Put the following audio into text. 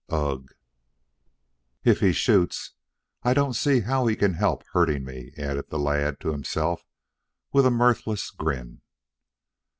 "Ugh!" "If he shoots, I don't see how he can help hurting me," added the lad to himself, with a mirthless grin.